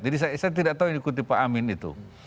jadi saya tidak tahu yang dikutip pak amin itu